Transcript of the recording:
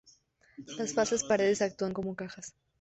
Las falsas paredes actúan como cajas.